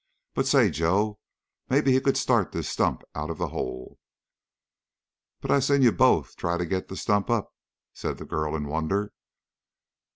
But, say, Joe, maybe he could start this stump out of the hole." "But I seen you both try to get the stump up," said the girl in wonder.